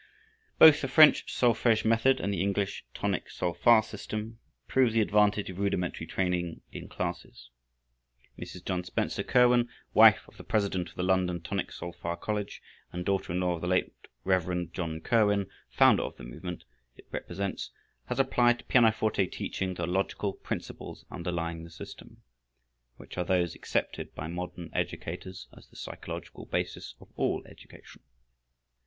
Both the French Solfège method and the English Tonic Sol fa system prove the advantage of rudimentary training in classes. Mrs. John Spencer Curwen, wife of the president of the London Tonic Sol fa College, and daughter in law of the late Rev. John Curwen, founder of the movement it represents, has applied to pianoforte teaching the logical principles underlying the system, which are those accepted by modern educators as the psychological basis of all education.